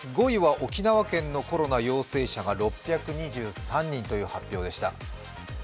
５位は沖縄県のコロナ陽性者が６２３人という発表でした。